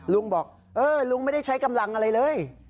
ลุงบอกเออลุงไม่ได้ใช้กำลังอะไรเลย